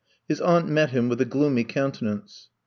His aunt met him with a gloomy countenance.